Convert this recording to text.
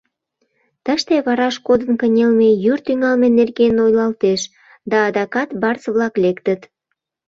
Тыште вараш кодын кынелме, йӱр тӱҥалме нерген ойлалтеш, да адакат барс-влак лектыт